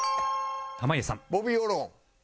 濱家さん